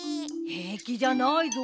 へいきじゃないぞ。